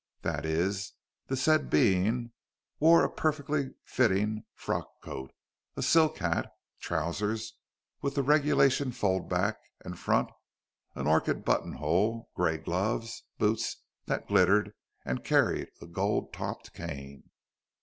That is, the said being wore a perfectly fitting frock coat, a silk hat, trousers with the regulation fold back and front, an orchid buttonhole, grey gloves, boots that glittered, and carried a gold topped cane.